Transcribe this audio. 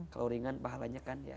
kalau ringan pahalanya kan ya